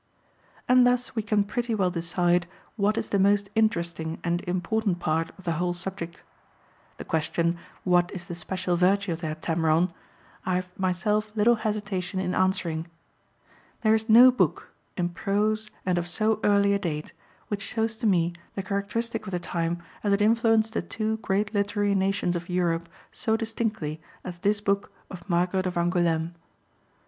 And thus we can pretty well decide what is the most interesting and important part of the whole subject. The question, What is the special virtue of the Heptameron? I have myself little hesitation in answering. There is no book, in prose and of so early a date, which shows to me the characteristic of the time as it influenced the two great literary nations of Europe so distinctly as this book of Margaret of Angoulême.